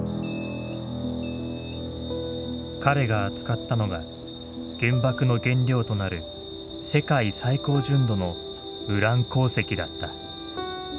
彼が扱ったのが原爆の原料となる世界最高純度のウラン鉱石だった。